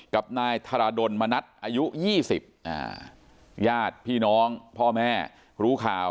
กับนายธรดลมณัฐอายุ๒๐ญาติพี่น้องพ่อแม่รู้ข่าว